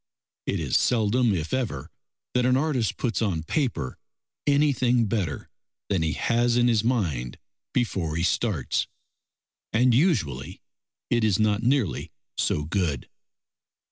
It is seldom if ever that an artist puts on paper anything better than he has in his mind before he starts, and usually it is not nearly so good.